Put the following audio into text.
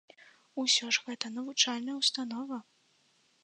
Усё ж гэта навучальная ўстанова!